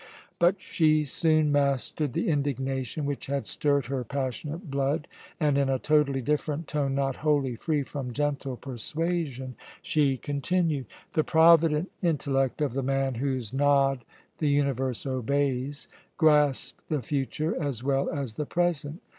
But she soon mastered the indignation which had stirred her passionate blood, and in a totally different tone, not wholly free from gentle persuasion, she continued: "The provident intellect of the man whose nod the universe obeys grasps the future as well as the present.